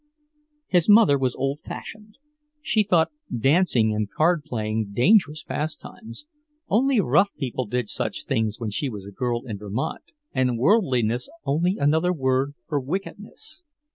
His mother was old fashioned. She thought dancing and card playing dangerous pastimes only rough people did such things when she was a girl in Vermont and "worldliness" only another word for wickedness.